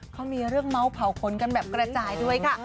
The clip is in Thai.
เขามีเรื่องเมาส์เผาขนกันแบบกระจายด้วยค่ะ